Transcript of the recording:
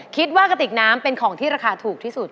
กระติกน้ำเป็นของที่ราคาถูกที่สุด